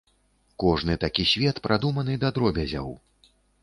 Кожны такі свет прадуманы да дробязяў.